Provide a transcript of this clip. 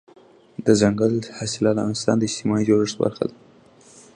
دځنګل حاصلات د افغانستان د اجتماعي جوړښت برخه ده.